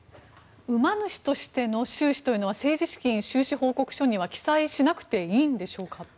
馬主としての収支というのは政治資金収支報告書には記載しなくていいんでしょうか。